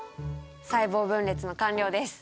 細胞分裂の完了です。